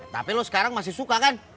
tapi lo sekarang masih suka kan